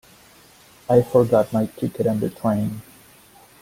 I forgot my ticket on the train.